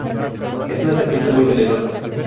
Es una serpiente muy venenosa.